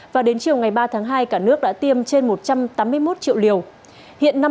và đến chiều ngày ba tháng hai cả nước đã tiêm trên một trăm tám mươi một triệu liều